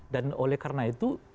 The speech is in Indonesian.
dan oleh karena itu